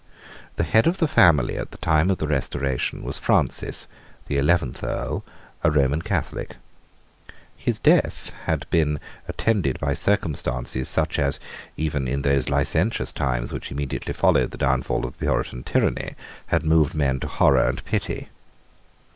The head of the family at the time of the Restoration was Francis, the eleventh Earl, a Roman Catholic. His death had been attended by circumstances such as, even in those licentious times which immediately followed the downfall of the Puritan tyranny, had moved men to horror and pity.